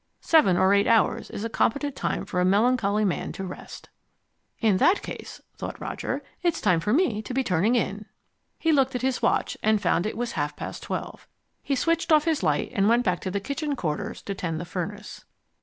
Seven or eight hours is a competent time for a melancholy man to rest In that case, thought Roger, it's time for me to be turning in. He looked at his watch, and found it was half past twelve. He switched off his light and went back to the kitchen quarters to tend the furnace.